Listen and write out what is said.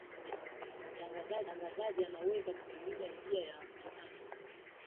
mtangazaji anaweza kutumia njia ya mahojiano